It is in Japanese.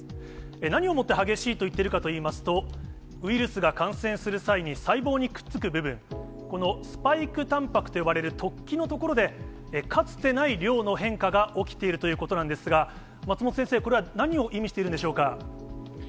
何をもって激しいと言っているかといいますと、ウイルスが感染する際に、細胞にくっつく部分、このスパイクタンパクと呼ばれる突起のところで、かつてない量の変化が起きているということなんですが、松本先生、これは何を意味しているんでしょうか。